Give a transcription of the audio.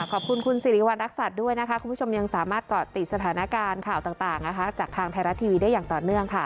ขอบคุณคุณสิริวัณรักษัตริย์ด้วยนะคะคุณผู้ชมยังสามารถเกาะติดสถานการณ์ข่าวต่างนะคะจากทางไทยรัฐทีวีได้อย่างต่อเนื่องค่ะ